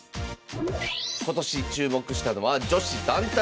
今年注目したのは女子団体戦。